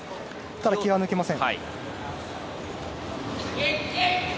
ただ、気が抜けません。